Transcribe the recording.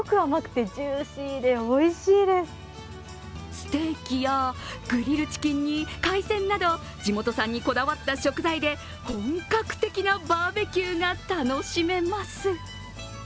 ステーキやグリルチキンに海鮮など地元産にこだわった食材で本格的なバーベキューが楽しめます。